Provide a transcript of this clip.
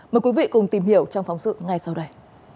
mời quý vị cùng tìm hiểu trong phóng sự ngay sau đây